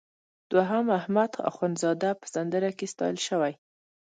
دوهم احمد اخوندزاده په سندره کې ستایل شوی.